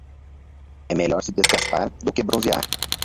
É melhor se desgastar do que bronzear.